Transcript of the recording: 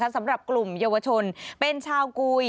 สำหรับกลุ่มเยาวชนเป็นชาวกุย